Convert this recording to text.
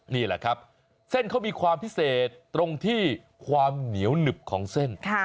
นี่แหละครับเส้นเขามีความพิเศษตรงที่ความเหนียวหนึบของเส้น